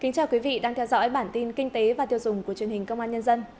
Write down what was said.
chào mừng quý vị đến với bản tin kinh tế và tiêu dùng của truyền hình công an nhân dân